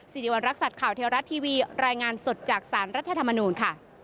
สิริวัณรักษัตริย์ข่าวเทวรัฐทีวีรายงานสดจากสารรัฐธรรมนูญค่ะ